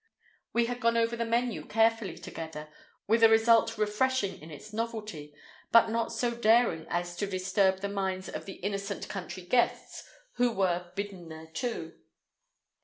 We had gone over the menu carefully together, with a result refreshing in its novelty, but not so daring as to disturb the minds of the innocent country guests who were bidden thereto.